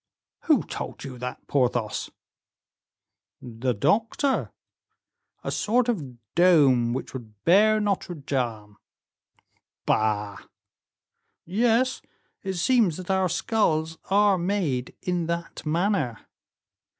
"Who told you that, Porthos?" "The doctor. A sort of dome which would bear Notre Dame." "Bah!" "Yes, it seems that our skulls are made in that manner."